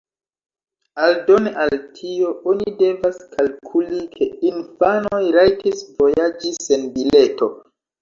Aldone al tio, oni devas kalkuli ke infanoj rajtis vojaĝi sen bileto.